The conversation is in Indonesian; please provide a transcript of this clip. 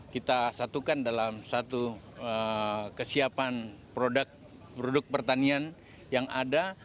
kita satukan dalam satu kesiapan produk pertanian yang ada